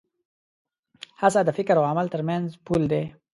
هڅه د فکر او عمل تر منځ پُل دی.